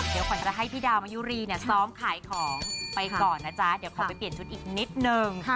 เดี๋ยวขวัญจะให้พี่ดาวมายุรีเนี่ยซ้อมขายของไปก่อนนะจ๊ะเดี๋ยวขอไปเปลี่ยนชุดอีกนิดนึง